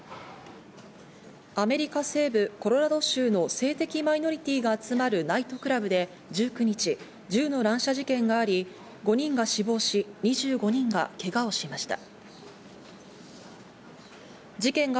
アメリカ西部コロラド州の性的マイノリティーが集まるナイトクラブで１９日、銃の乱射事件があり、５人が死亡し、２５人がけがをしました。